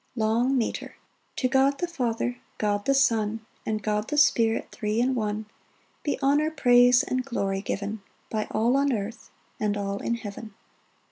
Long Metre. To God the Father, God the Son, And God the Spirit, Three in One, Be honour, praise, and glory given, By all on earth, and all in heaven.